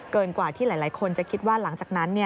กว่าที่หลายคนจะคิดว่าหลังจากนั้น